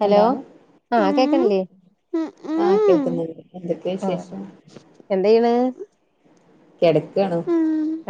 Hello ആ കേക്കണില്ലേ ഉം ആഹ് കേൾക്കുന്നുണ്ട് എന്തൊക്കെ വിശേഷം എന്തെ ചെയ്യുണത് കിടക്കാണോ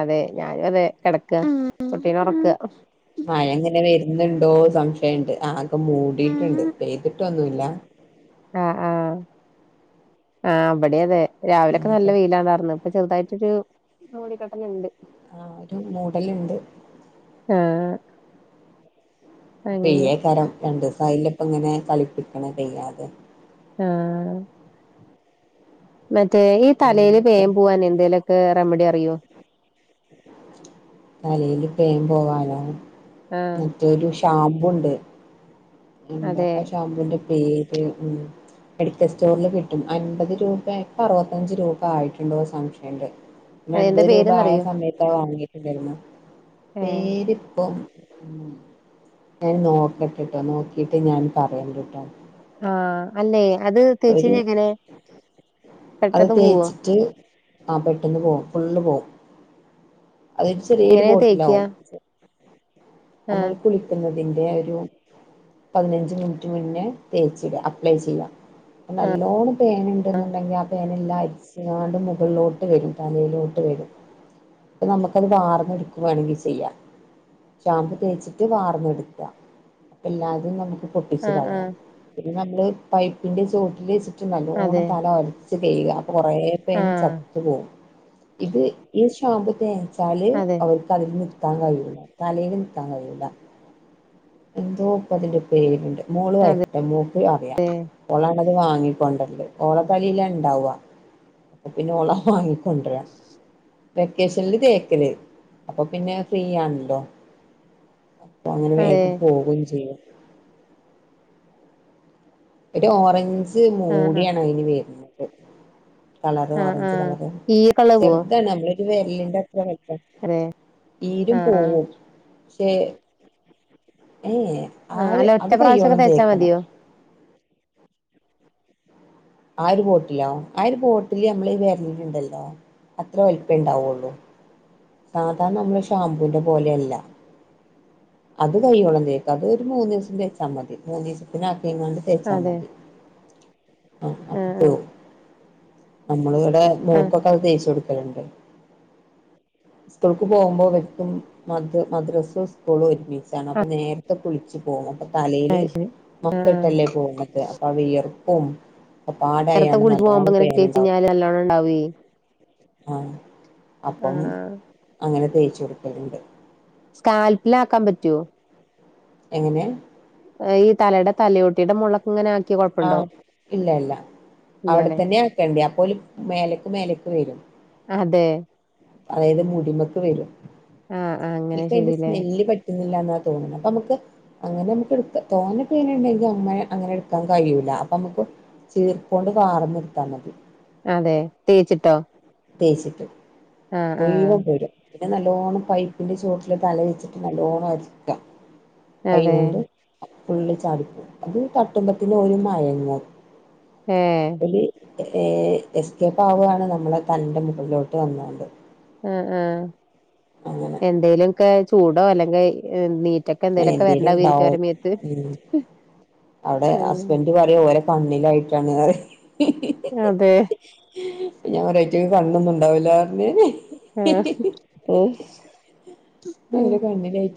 അതെ ഞാനും അതെ കിടക്കുക കുട്ടീനെ ഒറക്ക്ക മഴ ഇങ്ങനെ വരുന്നുണ്ടോ സംശയുണ്ട് ആകെ മൂടിട്ടുണ്ട് പെയ്തിട്ടൊന്നു ല്ല ആഹ് ആഹ് ആഹ് ഇവിടെ അതെ രാവിലൊക്കെ നല്ല പിന്നൊക്കെ വെയിലാണ്ടായിർന്ന ഇപ്പൊ ചെറുതായിട്ടൊരു മൂടിക്കെട്ടലുണ്ട് ആഹ് ഒരു മൂടലുണ്ട് ആഹ് അങ്ങനെ പെയ്യേയ്കരം രണ്ടു ദിവസ അല്ല ഇപ്പ ഇങ്ങനെ കളിപ്പിക്കണ പെയ്യാതെ ആഹ് മറ്റേ ഈ തലേല് പിന്നെന്തൊക്കെ പേൻ പൂവാൻ എന്തേലൊക്കെ റെമഡി അറിയോ? തലേല് പേൻ പോകാനോ ആഹ് മറ്റോരുഷ് ഷാമ്പൂണ്ട് അതെ എന്താപ്പ ഷാമ്പൂന്റെ പേര് ഉം മെഡിക്കൽ സ്റ്റോറില് കിട്ടും. അൻപത് രൂപേ പ്പ അറുവത്തഞ്ച് രൂപ ആയിട്ടുണ്ടോ സംശയണ്ട്. അയ്ൻ്റെ പേര്ന്നറിയോ? വാങ്ങിട്ടു വരുന്നു ഏഹ് പേരിപ്പം ഞാൻ നോക്കട്ടെട്ടോ നോക്കിട്ട് ഞാൻ പറയൻ കേട്ടോ ആഹ അല്ലെ അത് തേച്ച എങ്ങനെ അത് പെട്ടെന്ന് പോവോ തേച്ചിട്ട് ആ പെട്ടന്ന് പോകും ഫള്ള് പോവും അത്ട്ട് ശെര് എങ്ങനെ പോട്ടിലാവും തേക്ക്യാ നമ്മൾ ആഹ് കുളിക്കുന്നതിറെ ഒരു പതിനഞ്ച് മിനിറ്റ് മുന്നേ തേച്ചിട അപ്ലൈ ചെയ്യാം നല്ലോണം പേന ഉണ്ടെന്നുണ്ടെങ്കിൽ ആ പേനെല്ലാം അയച്ചാണ്ട് മുകളിലോട്ട് വരും തലയിലോട്ട് വരും അപ്പ നമുക്കത് വാർന്ന എടുക്കവായാണെങ്കിൽ ചെയ്യാം ഷാമ്പു തേച്ചിട്ട് വാർന്നെടുക്കാം എല്ലാതും നമുക്ക് പൊട്ടിച്ച് ആഹ് കളയാം ആഹ് നമ്മള് പൈപ്പിന്റെ ചോട്ടിൽ വെച്ചിട്ട് നല്ലവോണം അതെ തല അരച്ച് കഴിയുക കൊറ പേന് ആഹ് ചത്ത പോകവും ഇത് ഈ ഷാമ്പു വച്ചാൽ അതെ അവർക്ക് അതിൽ നിൽത്താൻ കഴിയുള്ള തലയിൽ തങ്ങട എന്തോപ്പ അതിന്റെ പേരുണ്ട് മൂള് അതെ വരട്ട മൂക്ക അറിയാംള ത് വാങ്ങിക്കൊണ്ടണ്ട് ഓള തലില്ല ഉണ്ടാവവാ അപ്പ പിന്നെ ഓള വാങ്ങ കൊണ്ടുവരാ വെക്കേഷനിൽ കേേക്കല് അപ്പൊ പിന്നെ ഫ്രീ ആണല്ലോ അപ്പൊ അങ്ങനെ വേ അതെ പോകയും ചെയ്യാം മട്ട് ഓറഞ്ച് ആഹ് ആഹ് മൂടിയണോ അതിന് വര് കളറ് ആഹ് ഓറഞ്ച് ആഹ് കളറ് ഈയക്കള പോവോ ചെറുതാണ് നമ്മള് വരലിന്റെ അത്ര വെക്കം അതെ ഈരും ആഹ് ആഹ് പോവും പക്ഷേ ഏ ആ ആഹ് അല്ല ഒറ്റ അത് പ്രാവശ്യൊക്കെ കൈയ്യോളം തേച്ചാ തേക്കണം മതിയോ ആ ഒരു ബോട്ടിലോ ആ ഒരു ബോട്ടില് മ്മള്ഈ വേരലുണ്ടല്ലോ അത്ര വലിപ്പം ഉണ്ടാവുള്ളു സാധാരണ നമ്മള് ഷാംമ്പൂവിന്റെ പോലെയല്ല അത് കയള്ള തേക്ക്ും അത് ഒരു മൂന്ന് ദിവസം തേച്ചാൽ മതി മൂന്ന് ദിവസത്തിന തേച്ചാ അതെ മതി ആ അ ആഹ് ആഹ് നമ്മള് ഇവിടെ ആഹ് നൂക്കൊക്കെ അത് തേയ്ച്ച കൊടുക്കലുണ്ട് സ്കൂൾക്ക് പോകുമ്പോ വറ്റും മ മദ്രസും സ്കൂളും ഒരുമിച്ചാണ് അപ്പൊ നേരത്തെ കുളിച്ചച്ച് പോകും അപ്പൊ തലയില് അത് ശരി മത്തട്ടല്ലേ പോകുന്നത് അപ്പൊ അവ വിയർപ്പും അപ്പൊ നേരത്തെ പാടായാണ്ട് കുളിച്ച് പോകുമ്പോ നല്ലോണം ഇങ്ങനെ തേച്ച് പ്യാനുണ്ടാവും കഴിഞ്ഞാല് നല്ലോണം ഉണ്ടാവേ ആഹ അപ്പം ആഹ് അങ്ങനെ തേയ്ച്ച കൊടുക്കറുണ്ട് സ്കാൽപ്പിൽ ആാക്കാൻ പറ്റുവോ എങ്ങനെയാ ഈ തലയുടെ തലയോട്ടിയുടെ മുളക്ക ഇങ്ങനെ ആക്കി ആഹ് ഇല്ല ഇല്ല ഇല്ലാല്ലേ അവിടെത്തന്നെ ആക്കേണ്ടി അപ്പോലും മേലക്ക് മേലേക്ക് വരും അതെ അതായത് മുടിമക്ക് വരുംക്ക് ആഹ് ആഹ് അങ്ങനെ അതിന്റെ ശരില്ലേ സ്മെല്ല് പറ്റുന്ന തോന്നുന്നത് അപ്പ നമക്ക് അങ്ങനെ നമ എടു തോന്ന പേനെണ്ടെങ്കിൽ അനെ ക്കാൻ കഴിയൂല അപ്പൊ നമ്മുക്ക് ചീർപ്പൊണ്ട് വാർന്ന നിർത്താ മതി അതെ തേച്ചിട്ടോ തേച്ചിട്ട് ആഹ് പ ആഹ് പോര പിന്നെ നല്ലോണ്ണം പൈപ്പിന്റെ ചുവട്ടില് തല വെച്ചിട്ട് നല്ലോണം അരക്കാം കൈക അതെ കൊണ്ട് ഫള്ി ചാടിപ്പോും അത് തട്ടുമ്പത്തിന്റെ ഒരു മയങ്ങ ഹഹ ഏ എസ്കെപ്പ് ആാവുകയാണ് നമ്മള് തൻന്റെ മുകളിലോട്ട് വന്നൊണ്ട് ആ ആ എന്തേലുംക്കെ ചൂടോ അല്ലെങ്കിൽ ന എന്തലും ഉണ്ടാവും അവിടെ ഹസ്ബന്ഡ പറയും ഓരോ കണ്ണിലായിട്ടാണ് െ ങ്ങതെ ഇനി ഒരാഴ്ച്ചേക്കു കരണ്ടൊന്നും ഇണ്ടാവില്ല ആ ഉ ഉം ഓരെ [unintelligible]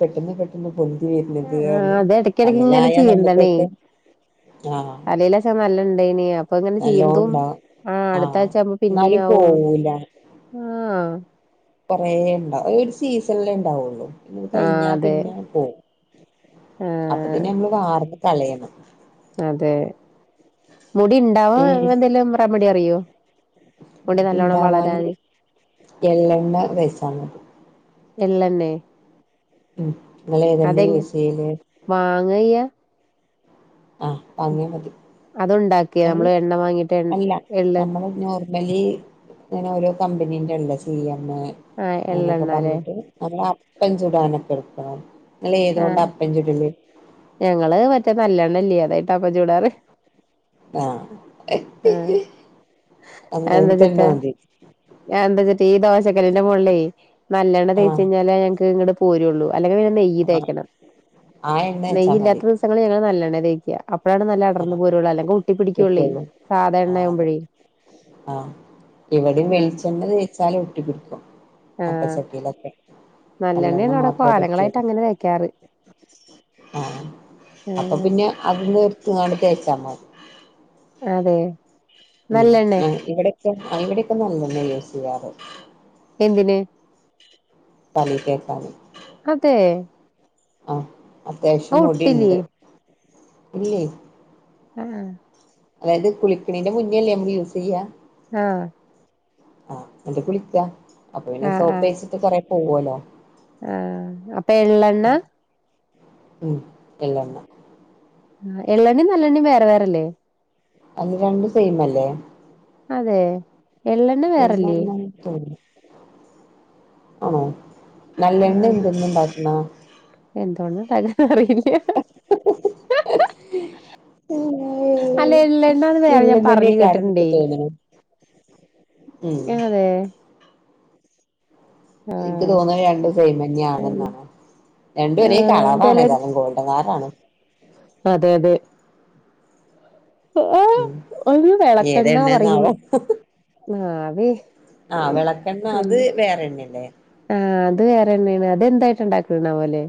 പെട്ടെന്ന് പെട്ടെന്ന് പൊന്തി വരണ്ത് ആഹ് കാരണം അത് തമ്മിലായ നമുക്കൊക്കെ ആഹ് തലയിലസം നല്ല ഇണ്ടേനി അ പ്പ ഇങ്ങനെ നല്ലോം ചെയ്യൻതും ഉണ്ടാവും ആ അടുത്ത ആഹ് ആഴ്ച ആകുമ്പോ എന്നാലും പിന്നെയാകും പോവൂല ആ കൊറെ എണ്ടാവും ഒരു സീസണിലേ എണ്ടാവുള്ളു പിന്നത് ആഹ് കഴിഞ്ഞാ അതെ പിന്നെ പോവും അപ്പ ആഹ് പിന്നെ നമ്മള് വാർന്ന് കളയണം അതെ മുടി ഇണ്ടാവും എന്തെലും റെമഡി അറിയോ മുടി നല്ലോണ്ണം ഇണ്ടവാന് വളരാന് എള്ളെണ്ണ തേച്ചാ മതി എള്ളണ്ണേ ഉം ഇങ്ങളേതെണ്ണേ യൂസ് ചെയ്യല് വാങ്ങയ്യ ആ ബാങ്ങിയ മതി അതുണ്ടാക്കിയ നമ്മള് എണ്ണ വാങ്ങീട്ട് എ അല്ല എള്ള് നമ്മള് നോ ർമലി ഇങ്ങനെ ഓരോ കമ്പനീന്റെ ആണല്ല ചെയ്യാ പിന്നെ ആഹ് അങ്ങനൊക്കെ എള്ളെണ്ണ അല്ലേ പറഞ്ഞിട്ട് നല്ല അപ്പം ചുടാനൊക്കെ എടുക്കണം ഇങ്ങള് ആ ഏതോണ്ടാ അപ്പം ചുടല് ഞങ്ങള് മറ്റേ നല്ലണ്ണല്ലേ അതായിട്ടാ ഇപ്പൊ ചൂടാറ് ആ ആ എന്ത്‌ അങ്ങനത്തെ എണ്ണ വച്ചിട്ടാ മതി എന്താച്ചിട് ഈ ദോശക്കല്ലിന്റെ മോളിലേ നല്ലെണ്ണ തേച്ച് ആഹ് കഴിഞ്ഞാലെ ഞങ്ങക്ക് ഇങ്ങട് പോരുള്ളൂ അല്ലെങ്കിൽ പിന്നെ നെയ്യ് ആഹ് തേക്കണം ആ എണ്ണ തേച്ചാ നെയ്യ് മതി ഇല്ലാത്ത ദിവസങ്ങളി ഞങ്ങള് നല്ല ണ്ണ തേക്ക അപ്പോഴാണ് നല്ല അടർന്ന് പോരുള്ള അല്ലെങ്കി ഒട്ടി പിടിക്കുള്ളേ ആ അതെ ആ ഇവിടേം ആഹ് വെളിച്ചെണ്ണ തേച്ചാല് ഒട്ടി പിടിക്കും ആഹ് അപ്പച്ചട്ടിലൊക്കെ നല്ലണ്ണ നല്ലെണ്ണയാണ് അവിടെ മാത്രമേ കാലങ്ങളായിട്ട് പറ്റുള്ളൂ അങ്ങനെ തേക്കാറ് ആ അപ്പൊ ആഹ് പിന്നെ അതിന്ന് എടുത്തിങ്ങാണ്ട് തേച്ചാ മതി അതെ ഉ നല്ലെണ്ണേ ഇവിടക്കെ അ ഇവിടൊക്കെ നല്ലണ്ണേ യൂസ് ചെയ്യാറ് എന്തിന് പനി കേക്കാന് അതെ ആ അത്യാവശ്യം അത് മുടിണ്ട് ഒട്ടില്ലേ ഇല്ലേ ആ അതായത് കുളിക്കണിന്റെ മുന്നേല്ലേ നമ്മള് യൂസ് ചെയ്യ ആ ആഹ് എന്നിട്ട് കുളിക്ക അപ്പൊ പിന്നെ സോപ്പേച്ചിട്ട് കൊറേ പോവല്ലോ ആ അപ്പ എള്ളണ്ണ ഉം എള്ളണ്ണ ആ എള്ളെണ്ണേ നല്ലണ്ണേ വേറെ വേറെല്ലേ അത് രണ്ടും സെയിം അല്ലേ അതെ എള്ളെണ്ണ വേറല്ലേ സെയ്മാന്നന്ന് തോന്നുന്നു ആണോ നല്ലണ്ണ എന്തിന്ന ഇണ്ടാക്കണ എന്തോണ്ട ഇണ്ടാക്കാണെന്ന് അറിയില്ല അല്ല എള്ളണ്ണാന്ന് വേറെ ഞാൻ പറഞ്ഞ് ഇള്ളതന്നെയ്ക്കാരം കേട്ടിട്ടിണ്ടേ. ഇൻക്ക് തോന്ന്ണു ഉം അതേ എനിക്ക് തോന്നണു രണ്ടും സെയിംമന്യ ആണെന്നാണ് രണ്ടുഒരേ കളറാണ് ചിലർ ഏതാലും ഗോൾഡാ ണ്. അതെ അതെ. ആ ഉം ഒര് ഏത് വെളക്കെണ്ണാ പറയും എണ്ണേന്നാവോ ആ ആ വെളക്കെണ്ണ അത് വേറെണ്ണേല്ലേ? ആ അത് വേറെണ്ണേണ് അതെന്തായിട്ട്ണ്ടാക്കുന്ന പോലെ.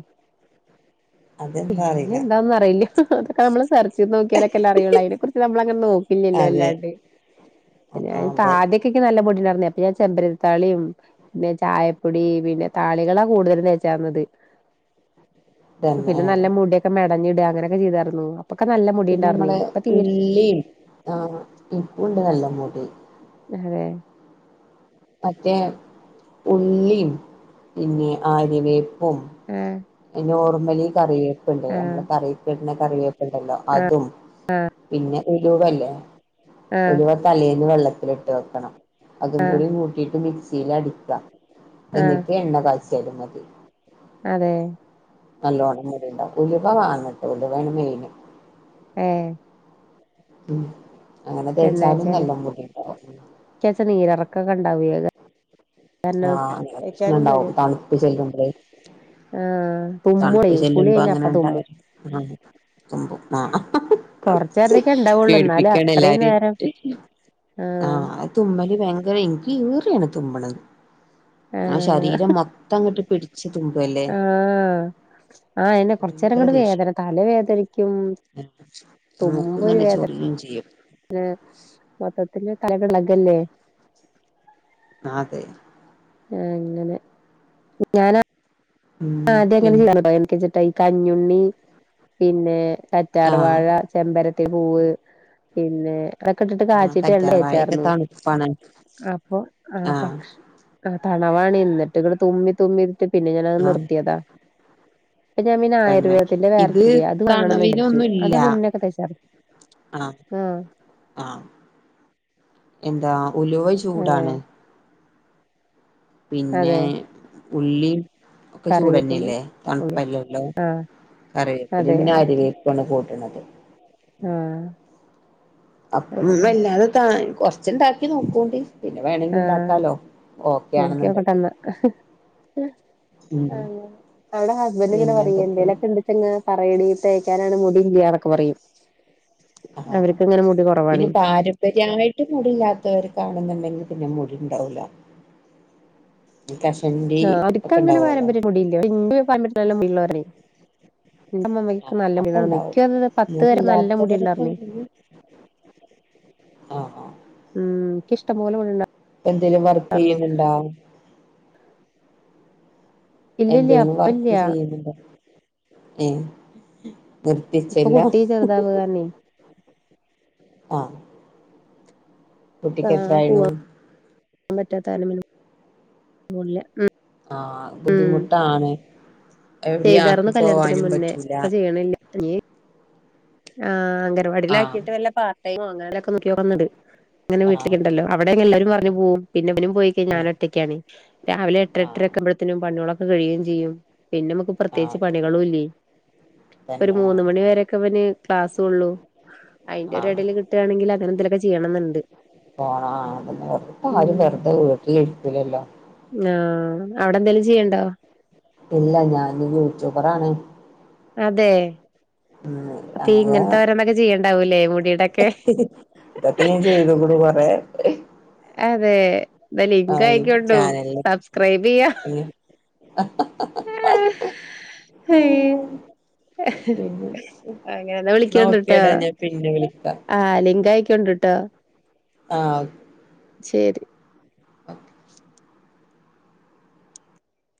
അതെന്താ എങ്ങനെ അറിയില്ല ഇണ്ടാവന്ന് അറിയില്ല അതക്കെ നമ്മള് സെർച്ചെയ്ത് നോക്കിയാലൊക്കെല്ലേ അറിയൊള്ളൂ അയിനെ കുറിച്ച് നമ്മളങ്ങനെ നോക്കില്ലല്ലോ. അതെ ന്നല്ലാണ്ട് ആ ഞാൻ അതെ താദ്യൊക്കെക്ക് നല്ല പോടിണ്ടാരുന്നു. യെപ്പിയാൻ ചെമ്പരത്താളിയും ന്നെ ചായപ്പൊടി പിന്നെ താളികളാ കൂടുതലും തേച്ചാന്നത്. [inaudible] പിന്നെ ആ നല്ല മുടിയക്കെ മെടഞ്ഞിട അങ്ങനെക്കെ ചെയ്തായിരുന്നു. അപ്പൊക്കെ നല്ല പിന്നെ മുടിണ്ടാർന്നേ നമ്മളെ ഇപ്പൊ തീരെ ഉള്ളീം ആ ഇപ്പണ്ട് നല്ല മുടി. ഏ? മറ്റേ ഉള്ളീം പിന്നെ ആര്യവേപ്പും ഉം നോർമലി കറിവേപ്പ്ണ്ട് ആഹ് അങ്ങള് കറീക്കിടുന്ന കറിവേപ്പ്‌ണ്ടല്ലോ അതും പിന്നെ ഉലുവല്ലേ ആഹ് ഉലുവ തലേന്ന്‌ വെള്ളത്തിലിട്ട് വെക്കണം. അതും കൂടി കൂട്ടിട്ട് മിക്സിലടിക്കാം ആഹ് എന്നിട്ട് എണ്ണ കാ ച്ചെതു മതി. അതെ? നല്ലോണം മുടിണ്ടാവും ഉലുവ വാങ്ങട്ട് ഉലുവാണ് മെയിന്. ഏ? ഉം അങ്ങനെ തേച്ചാലും പെണ്ണാഴ്ചല്ലേ നല്ലമുടിണ്ടാവും. ഇക്കാച്ച നീരിറക്കൊക്കെ ഉണ്ടാവേ അത് ആ കാരണം പ്രശ്നൊണ്ടാവും തണുപ്പ്‌ ചെല്ലുമ്പളെ. ആ തണുപ്പ് ചെല്ലുമ്പോ അങ്ങനെ [unintelligible] ആ സംഭവം ആ കൊറച്ചേരത്തേക്കെ ഉണ്ടാവുള്ളൂ എന്നാലും അത്രയും പേടിപ്പിക്കാണെല്ലാരേം. നേരം ആ ആഹ് തുമ്മല് വയങ്കര എനിക്ക് ഈറയാണ്. തുമ്മണത് ആ ആഹ് ശരീരം മൊത്തം അങ്ങിട്ട് പിടിച്ച് തുബല്ലേ. ആ ന്നെ കൊറച്ചെരങ്ങ്ട് വേദന തല വേദനിക്കും മൂക്ക് തുമ്മുമ്പോ ഒരു ങ്ങനെ വേദന ചൊറിയേം ചെയ്യും. [unintelligible] മൊത്തത്തില് തലളകല്ലേ. അതെ. ആ ങ്ങനെ ഞാനാ ഉം ആ അതെ അങ്ങനെ പിന്നെ [unintelligible] എനിക്ക് സെറ്റായി കഞ്ഞുണ്ണി പിന്നെ ആഹ് കറ്റാർവാഴ, ചെമ്പരത്തി പൂവ് പിന്നെ അതൊക്കെ ഇട്ടിട്ട് ആഹ് കാച്ചിട്ട് കറ്റാർവാഴയൊക്കെ എണ്ണേചാർന്നു തണുപ്പാണ് അപ്പൊ ആ ആഹ് പക്ഷ ആ തണവാണ് എന്നിട്ടങ്ങ്ട് തുമ്മി തുമ്മിട്ട് പിന്നെ ഞാനത് നിർ ആഹ് തന്നെ ആയുർവേദത്തിന്റെ വേറെ ഇത് ചൊടിയ അത് വാങ്ങണംന്ന് വിചാരിച്ചു തണവിനൊന്നുല്ല. അത് മുന്നൊക്കെ തേച്ചാർന്നു ആ ആഹ് ആ എന്താ ഉലുവ അതെ ചൂടാണ്. പിന്നെ അതെ ഉള്ളി ഒക്കെ കറിവേപ്പില ചൂടന്നെയല്ലേ തണുപ്പല്ലല്ലോ കറിവേപ്പിലേം അതെ പിന്നെ ആരിവേപ്പാണ് കൂട് ണത്. ആ അപ്പം വല്ലാതെ ത കൊറച്ച്ണ്ടാക്കി നോക്കോണ്ടി. പിന്നെ വേണെങ്കി ആഹ് ഇണ്ടാക്കാലോ ഓക്കെ ആണെന്ന്‌ണ്ടങ്കിൽ. അവടെ പിന്നെന്തൊക്കെയാ [unintelligible] തേക്കാനാണ് മുടി ഇല്ല്യാഒക്കെ പറയും ആഹ് അവർക്ക് ഇങ്ങനെ മുടി കുറവാണേ പിന്നെ പാരമ്പര്യമായിട്ട് മുടി ഇല്ലാത്തവർക്ക് ആണന്നുണ്ടെങ്കിൽ പിന്നെ മുടി ഉണ്ടാവൂല ഈ കഷണ്ടി ആ ഒക്കെ അവർക്കങ്ങനെ ഉണ്ടാവുമല്ലോ പാരമ്പര്യം മുടിയില്ല പക്ഷെ എൻ്റെ പാരമ്പര്യത്തിൽ എല്ലാം മുടി ഉള്ളവരാണ് അപ്പൊ മുടിണ്ടാർന്ന് ഉണ്ടാവും ഇക്ക് അത് പത്ത് വരെ നല്ല മുടില്ലാത്തവരൊക്കെ മുടിണ്ടാർന്നേ ആ ആഹ് എനിക്ക് ഇഷ്ടം പോലെ മുടിയുണ്ടാരുന്നു എന്തെലും വർക്ക് ചെയ്യുന്നുണ്ടോ ഇല്ലില്ല എന്തങ്കിലും വർക്ക് ഇപ്പല്ല്യ ചെയ്യുന്നുണ്ട ഏഹ് ഇപ്പൊ നിർത്തിച്ചെല്ലാം കുട്ടി ചെറുതാവ് കാരണേ ആഹ് ആ കുട്ടിക്ക് എത്രായിണു പോവാൻ പറ്റാത്ത കാരണം പിന്നെ പോണില്ല ആഹ് ബുദ്ധിമുട്ടാണ് എവിടെയും ചെയ്താരുന്നു ആക്കി കല്യാണത്തിന് പോവാനും മുന്നേ പറ്റൂല ഇപ്പൊ ചെയ്യണില്ല ആഹ് അംഗൻവാടിൽ ആഹ് ആക്കിയിട്ട് വല്ല പാർടൈമോ അങ്ങനൊക്കെ നോക്കി നോക്കുന്നുണ്ട് അങ്ങനെ വീട്ടിലേ ആഹ് ഉണ്ടല്ലോ അവിടെ എല്ലാവരും പറഞ്ഞു പോകും പിന്നെ മോനും പോയി കഴിഞ്ഞാ ഞാന് ആഹ് ഒറ്റയ്ക്കാണ് രാവിലെ എട്ട് എട്ടര ഒക്കെ ആകുമ്പോഴേക്കും പണികളൊക്കെ കഴിയുകയും ചെയ്യും പിന്നെ നമുക്ക് ആഹ് പ്രത്യേകിച്ച് പണികളുംല്ല ഒരു തന്നെ മൂന്ന് മണി വരയൊക്കെ അവന് ക്ലാസ്സ് ഉള്ളു അയിന്റെ ഒരു ആഹ് ഇടയിൽ കിട്ടുകയാണെങ്കിൽ അങ്ങനെ എന്തലൊക്കെ ചെയ്യണം എന്നുണ്ട് പോണ അത് തന്നെ വെറുതെ ആരും വെറുതെ വീട്ടില് ഇരിക്കൂലല്ലോ ആ അവിടെ എന്തേലും ചെയ്യണ്ടോ ഇല്ല ഞാന് യൂട്യൂബറാണ് അതെ ഉം അപ്പൊ അങ്ങനെ ഇങ്ങനത്തെ ഓരോന്നൊക്കെ ചെയ്യണ്ടാവൂല്ലേ മുടീടൊക്കെ ഇതൊക്കെ ഞാൻ ചെയ്തേക്കുണു കുറെ അതെ എന്നാ ലിങ്ക് ആയി അയക്കോണ്ടു ചാനലിലൊക്കെ സബ്സ്ക്രൈബ് ചെയ്യാ ആഹ് ഹയ്യോ പിന്നെ അങ്ങനെല്ല ന്നാ വിളിക്കോണ്ടിട്ടാ ഓക്കേടാ ഞാൻ പിന്നെ വിളിക്കാം ആഹ് ലിങ്കായിക്കൊണ്ട്ട്ടോ ആ ഓ ശരി [inaudible]